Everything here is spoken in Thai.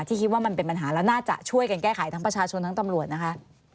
คิดว่ามันเป็นปัญหาแล้วน่าจะช่วยกันแก้ไขทั้งประชาชนทั้งตำรวจนะคะ